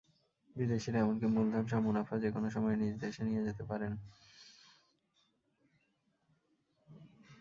বিদেশিরা এমনকি মূলধনসহ মুনাফা যেকোনো সময় নিজ দেশে নিয়ে যেতে পারেন।